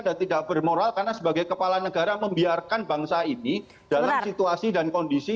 dan tidak bermoral karena sebagai kepala negara membiarkan bangsa ini dalam situasi dan kondisi